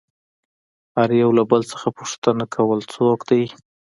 هر يوه له بل څخه پوښتنه كوله څوك دى؟